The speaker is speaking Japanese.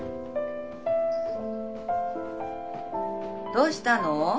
どうしたの？